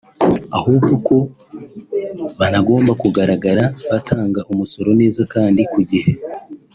ahubwo ko banagomba kugaragara batanga umusoro neza kandi ku gihe